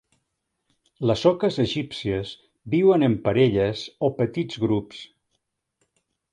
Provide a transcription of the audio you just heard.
Les oques egípcies viuen en parelles o petits grups.